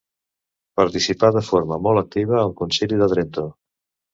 Participà de forma molt activa al Concili de Trento.